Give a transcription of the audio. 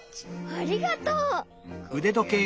ありがとう！